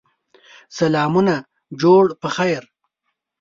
سلامونه جوړ په خیر!